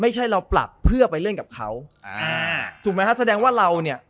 ไม่ใช่เราปรับเพื่อไปเล่นกับเขาอ่าถูกไหมฮะแสดงว่าเราเนี่ย